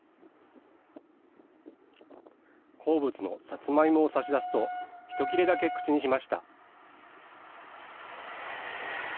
好物のサツマイモを差し出すと、一切れだけ口にしました。